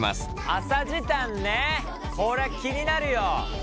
朝時短ねこれ気になるよ。